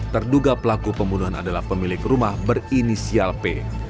terduga pelaku pembunuhan adalah pemilik rumah berinisial p